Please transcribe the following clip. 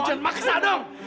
lu jangan makan sadung